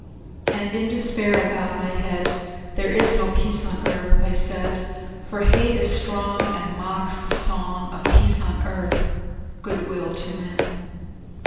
And in despair I bowed my head; "There is no peace on earth," I said: "For hate is strong, And mocks the song Of peace on earth, good will to men!"